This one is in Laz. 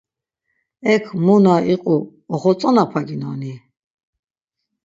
Ek mu na iqu oxotzonapaginoni?